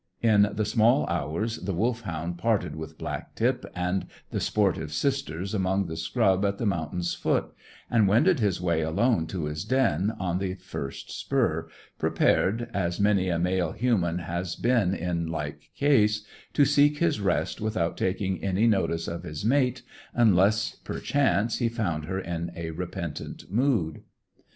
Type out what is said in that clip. In the small hours the Wolfhound parted with Black tip and the sportive sisters among the scrub at the mountain's foot, and wended his way alone to his den on the first spur, prepared, as many a male human has been in like case, to seek his rest without taking any notice of his mate, unless, perchance, he found her in a repentant mood.